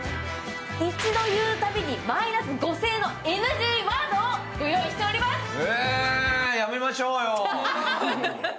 一度言うたびにマイナス５０００円のＮＧワードをご用意しています。